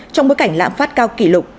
trong bối cảnh lãm phát cao kỷ lục